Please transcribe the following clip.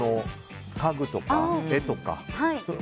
家具とか絵とか。